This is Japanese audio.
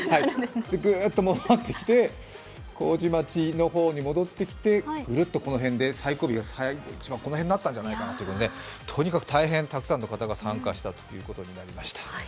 グーッと戻ってきて麹町の方に戻ってきて、グルッとこの辺で最後尾がこの辺だったんじゃないかなと思うんですけどとにかく大変たくさんの方が参加したということになりました。